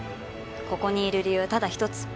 ここにいる理由はただ一つ。